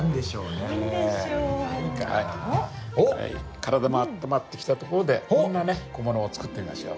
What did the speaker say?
体もあったまってきたところでこんな小物を作ってみましょう。